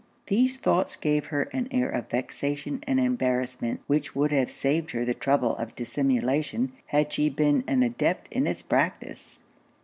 These thoughts gave her an air of vexation and embarrassment which would have saved her the trouble of dissimulation had she been an adept in it's practice.